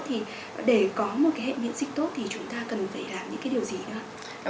thì để có một cái hệ miễn dịch tốt thì chúng ta cần phải làm những cái điều gì thưa